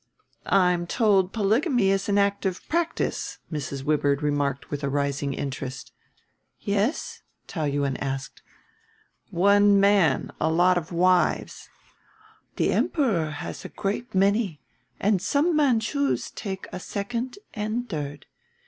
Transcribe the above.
"I'm told polygamy is an active practice," Mrs. Wibird remarked with a rising interest. "Yes?" Taou Yuen asked. "One man a lot of wives." "The Emperor has a great many and some Manchus take a second and third.